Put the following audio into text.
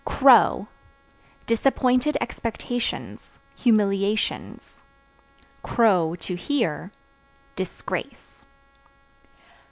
Crow Disappointed expectations, humiliation; (to hear) disgrace.